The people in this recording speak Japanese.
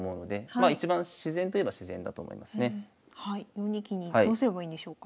４二金にどうすればいいんでしょうか？